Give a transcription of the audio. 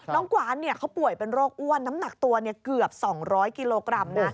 กวานเขาป่วยเป็นโรคอ้วนน้ำหนักตัวเกือบ๒๐๐กิโลกรัมนะ